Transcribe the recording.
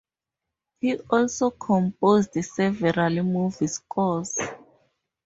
He also composed several movie scores.